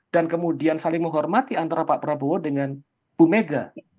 dan kemudian saling menghormati antara pak prabowo dengan ibu mega